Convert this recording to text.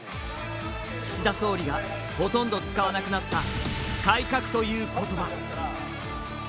岸田総理がほとんど使わなくなった改革ということば。